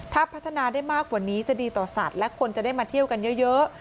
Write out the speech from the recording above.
ถ้าพัฒนาได้มากกว่านี้จะดีต่อสัตว์และคนจะได้มาเที่ยวกันเยอะ